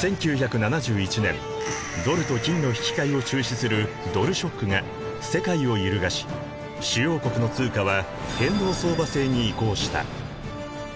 １９７１年ドルと金の引き換えを中止するドル・ショックが世界を揺るがし主要国の通貨は変動相場制に移行した。